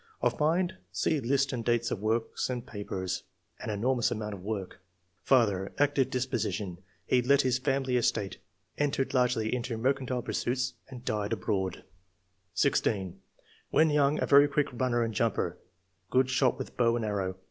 Of mind — See list and dates of works and papers [an enormous amount of work]. *' Father — Active disposition; he let his family estate, entered largely into mercantile pursuits, and died [abroad]." 16. '*When young, a very quick runner and jumper ; good shot with a bow and arrow.